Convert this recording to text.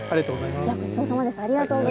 ごちそうさまでした。